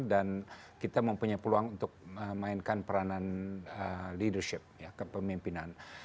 dan kita mempunyai peluang untuk memainkan peranan leadership kepemimpinan